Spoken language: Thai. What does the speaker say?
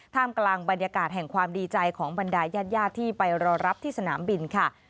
กลางบรรยากาศแห่งความดีใจของบรรดายญาติญาติที่ไปรอรับที่สนามบินค่ะ